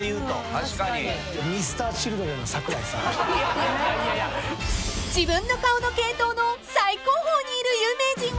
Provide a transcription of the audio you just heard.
［自分の顔の系統の最高峰にいる有名人は誰？の話］